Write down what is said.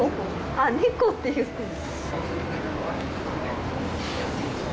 ああネコって言ってる。